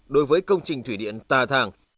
đối với công trình thủy điện tà thàng